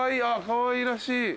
かわいらしい。